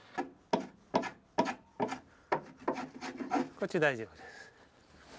こっち大丈夫です。